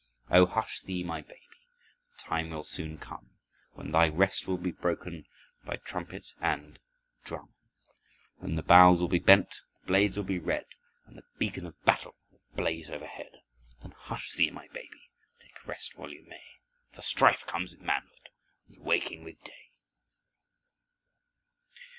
"Oh, hush thee, my baby; The time will soon come When thy rest will be broken By trumpet and drum, When the bows will be bent, The blades will be red, And the beacon of battle Will blaze overhead. Then hush thee, my baby, Take rest while you may, For strife comes with manhood As waking with day."